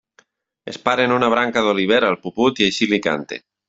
Es para en una branca de l'olivera el puput i així li canta.